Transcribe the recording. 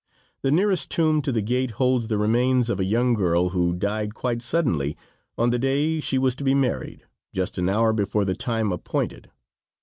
The nearest tomb to the gate holds the remains of a young girl who died, quite suddenly, on the day she was to be married, just an hour before the time appointed.